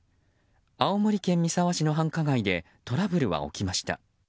青森県三沢市の繁華街でトラブルは起きました。